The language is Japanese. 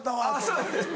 そうです。